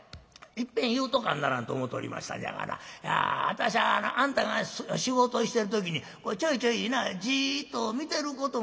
いっぺん言うとかんならんと思うておりましたんじゃがな私はあんたが仕事してる時にちょいちょいなじっと見てることがあるじゃろ。